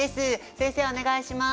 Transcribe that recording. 先生お願いします。